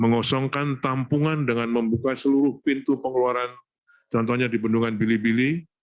mengosongkan tampungan dengan membuka seluruh pintu pengeluaran contohnya di bendungan bili bili